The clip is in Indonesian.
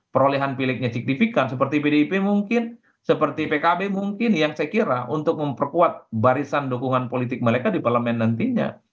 perolehan pilihnya signifikan seperti pdip mungkin seperti pkb mungkin yang saya kira untuk memperkuat barisan dukungan politik mereka di parlemen nantinya